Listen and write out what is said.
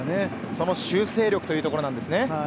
その修正力というところなんですね。